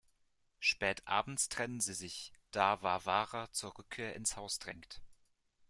Spät abends trennen sie sich, da Varvara zur Rückkehr ins Haus drängt.